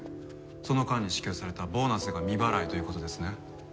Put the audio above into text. その間に支給されたボーナスが未払いという事ですね。